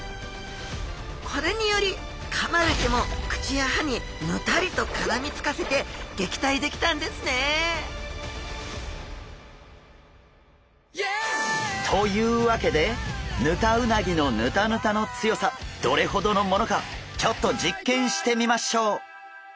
これによりかまれても口や歯にヌタリとからみつかせてげきたいできたんですねというわけでヌタウナギのヌタヌタの強さどれほどのものかちょっと実験してみましょう！